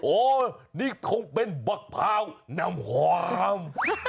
โอ้นี่คงเป็นบักพราวน้ำหวาม